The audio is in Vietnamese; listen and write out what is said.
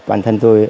bản thân tôi